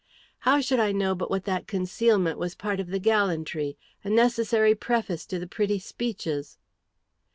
"How should I know but what that concealment was part of the gallantry, a necessary preface to the pretty speeches?"